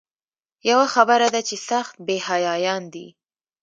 یوه خبره ده چې سخت بې حیایان دي.